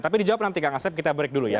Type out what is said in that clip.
tapi dijawab nanti kang asep kita break dulu ya